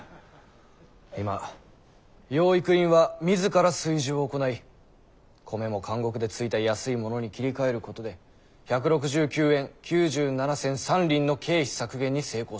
今養育院は自ら炊事を行い米も監獄でついた安いものに切り替えることで１６９円９７銭３厘の経費削減に成功している。